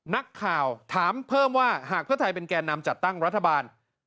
นักข่าวถามเพิ่มว่าหากเพื่อไทยเป็นแก่นำจัดตั้งรัฐบาล